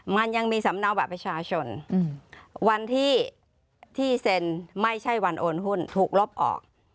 มันยังมีสำเนาบัตรประชาชนวันที่เซ็นไม่ใช่วันโอนหุ้นถูกลบออก